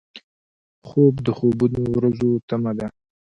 خوب د خوبو ورځو تمه ده